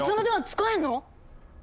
使えんの⁉